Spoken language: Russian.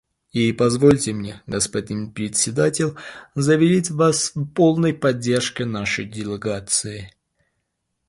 И позвольте мне, господин Председатель, заверить вас в полной поддержке нашей делегации.